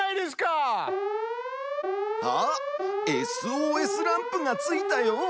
あっＳＯＳランプがついたよ！